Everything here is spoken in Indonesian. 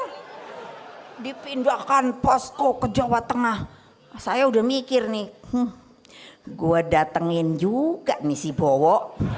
hai dipindahkan posko ke jawa tengah saya udah mikir nih gue datengin juga nih si bowo